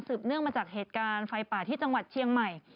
เนื่องมาจากเหตุการณ์ไฟป่าที่จังหวัดเชียงใหม่